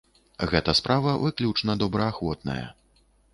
Гэта справа выключна добраахвотная.